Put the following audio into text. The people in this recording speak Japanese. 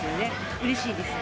うれしいです。